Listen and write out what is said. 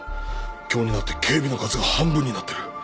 今日になって警備の数が半分になってる。